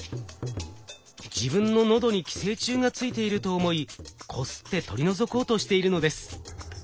自分の喉に寄生虫がついていると思いこすって取り除こうとしているのです。